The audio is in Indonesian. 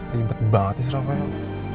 limet banget nih si rafael